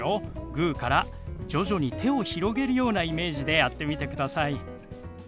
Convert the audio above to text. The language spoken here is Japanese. グーから徐々に手を広げるようなイメージでやってみてください。